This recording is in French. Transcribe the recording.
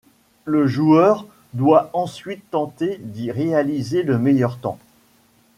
Le joueur doit ensuite tenter d'y réaliser le meilleur temps.